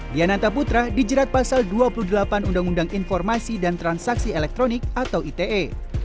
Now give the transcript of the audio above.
diananta putra dijerat pasal dua puluh delapan undang undang informasi dan transaksi elektronik atau ite